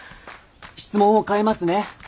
質問を変えますね。